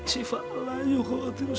sifatlah yukhutinus akhman